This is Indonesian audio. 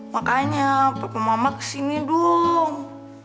makanya pakai mama kesini dong